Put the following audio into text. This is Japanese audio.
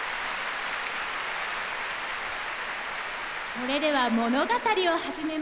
それでは物語を始めましょう。